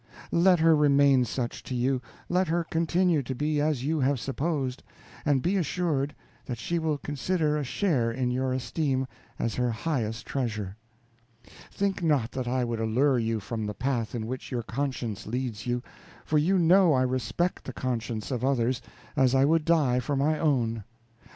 Let her remain such to you, let her continue to be as you have supposed, and be assured that she will consider a share in your esteem as her highest treasure. Think not that I would allure you from the path in which your conscience leads you; for you know I respect the conscience of others, as I would die for my own.